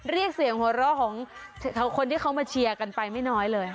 เรียกเสียงหัวเราะของคนที่เขามาเชียร์กันไปไม่น้อยเลย